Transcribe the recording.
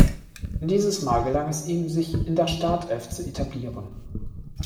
Dieses Mal gelang es ihm, sich in der Startelf zu etablieren.